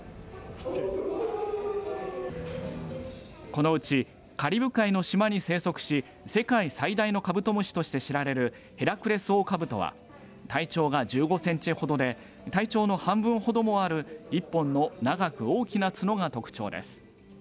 このうちカリブ海の島に生息し世界最大のカブトムシとして知られるヘラクレスオオカブトは体長は１５センチほどで体長の半分ほどもある１本の長く大きな角が特徴です。